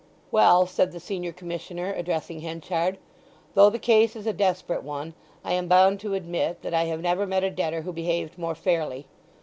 "Well," said the senior Commissioner, addressing Henchard, "though the case is a desperate one, I am bound to admit that I have never met a debtor who behaved more fairly.